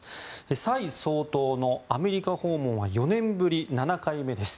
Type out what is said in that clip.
蔡総統のアメリカ訪問は４年ぶり７回目です。